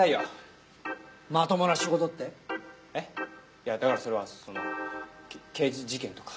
いやだからそれはその刑事事件とか。